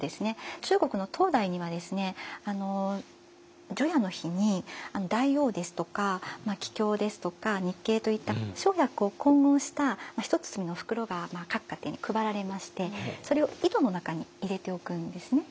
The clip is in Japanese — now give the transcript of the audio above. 中国の唐代にはですね除夜の日に大黄ですとか桔梗ですとか肉桂といった生薬を混合した一包みの袋が各家庭に配られましてそれを井戸の中に入れておくんですね。